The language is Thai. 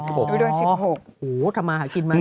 อ๋อโหทำมาหากินมานะ